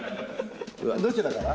どちらから？